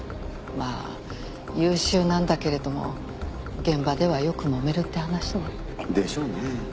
まあ優秀なんだけれども現場ではよくもめるって話ね。でしょうね。